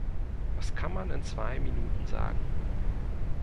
Was kann man in zwei Minuten sagen?